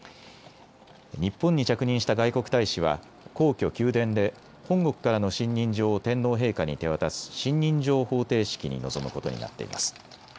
日本に着任した外国大使は皇居・宮殿で本国からの信任状を天皇陛下に手渡す信任状捧呈式に臨むことになっています。